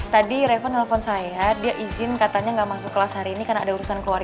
tadi revo nelfon saya dia izin katanya nggak masuk kelas hari ini karena ada urusan keluarga